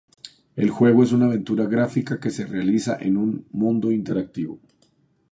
El juego es una aventura gráfica que se realiza en un mundo interactivo.